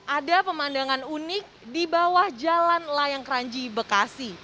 ada pemandangan unik di bawah jalan layang kranji bekasi